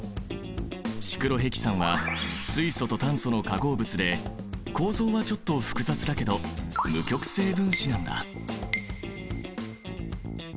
シクロヘキサンは水素と炭素の化合物で構造はちょっと複雑だけど無極性分子なんだ。